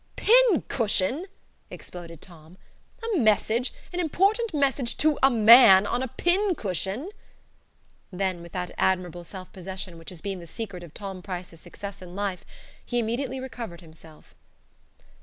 "PIN CUSHION!" exploded Tom. "A message an important message to a MAN on a PIN cushion!" Then, with that admirable self possession which has been the secret of Tom Price's success in life, he immediately recovered himself.